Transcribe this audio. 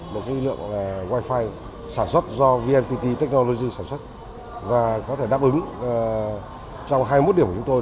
một cái lượng wi fi sản xuất do vnpt technology sản xuất và có thể đáp ứng trong hai mươi một điểm của chúng tôi